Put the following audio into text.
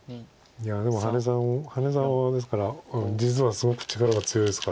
いやでも羽根さんはですから実はすごく力が強いですから。